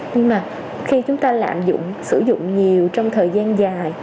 nhưng mà khi chúng ta lạm dụng sử dụng nhiều trong thời gian dài